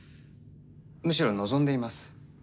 むしろ望んでいます。